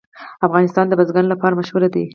افغانستان د بزګان لپاره مشهور دی.